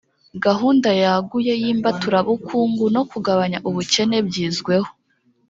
gahunda yaguye y’ imbaturabukungu no kugabanya ubukene byizweho.